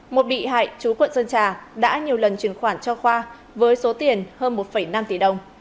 một bị hại chú quận sơn trà đã nhiều lần truyền khoản cho khoa với số tiền hơn một năm tỷ đồng